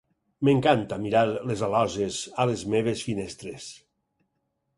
M"encanta mirar les aloses a les meves finestres.